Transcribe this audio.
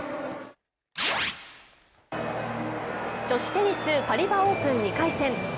女子テニスパリバ・オープン２回戦。